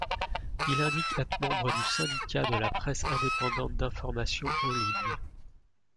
Il indique être membre du Syndicat de la presse indépendante d'information en ligne.